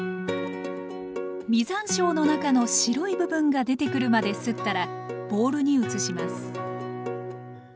実山椒の中の白い部分が出てくるまですったらボウルに移します